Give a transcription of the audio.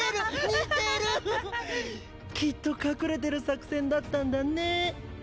似てる！きっと隠れてる作戦だったんだね。